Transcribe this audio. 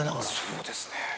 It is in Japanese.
そうですね。